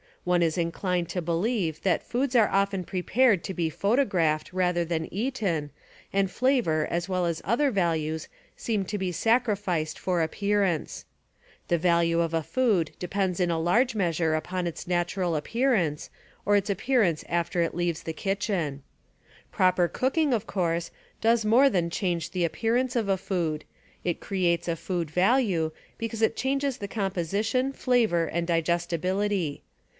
One is inclined to believe that foods are often prepared to be photographed rather than eaten, and flavor as well as other values seem to be sacrificed for appearance. The value of a food depends in a large measure upon its Appear natural appearance, or its appearance after it leaves the ance kitchen. Proper cooking, of course, does more than change the appearance of a food — it creates a food value, because it changes the composition, flavor and digestibility.